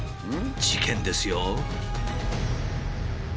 事件ですよ。